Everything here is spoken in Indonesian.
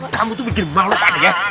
kamu tuh bikin malu kak adek ya